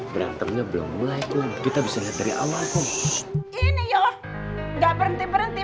berantemnya belum mulai kita bisa lihat dari awal ini yuk nggak berhenti berhenti